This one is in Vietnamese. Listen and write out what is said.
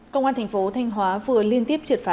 công an thành phố thanh hóa vừa liên tiếp triệt phá